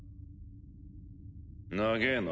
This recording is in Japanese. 長ぇな。